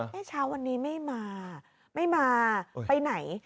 เช้าวันนี้ไม่มาไม่มาไปไหน